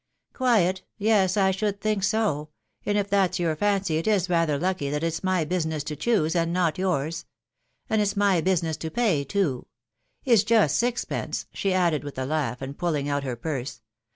''" Quiet !.... Yes, I should think so !.•.. And if that's your fancy, it is rather lucky that it's my business to choose, and not yours. And it's my business to pay too It's just sixpence," she added with a laugh, and pulling out her purse.